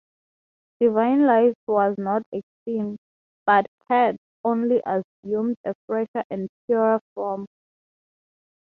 Divine life was not extinct, but had only assumed a fresher and purer form.